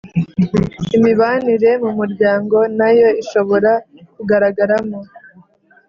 Imibanire mu muryango na yo ishobora kugaragaramo